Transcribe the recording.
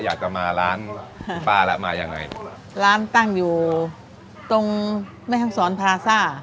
อยากจะมาร้านคุณป้าแล้วมายังไงร้านตั้งอยู่ตรงแม่ห้องศรพาซ่า